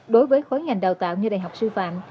đối với khối ngành đào tạo như đại học sư phạm